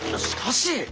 しかし。